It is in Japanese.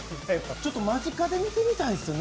ちょっと間近で見てみたいんですよね。